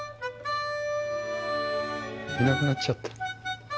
いなくなっちゃった。